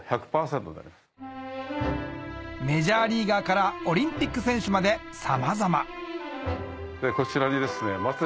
メジャーリーガーからオリンピック選手までさまざまこちらに。